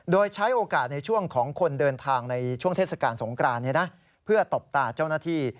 โดยใช้โอกาสในช่วงของคนเดินทางในช่วงเทศกาลสงกรานเพื่อตบตาเจ้าหน้าที่